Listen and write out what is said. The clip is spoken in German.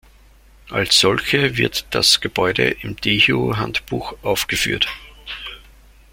Als solche wird das Gebäude im Dehio-Handbuch aufgeführt.